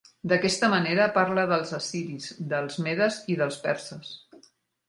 D'aquesta manera, parla dels assiris, dels medes i dels perses.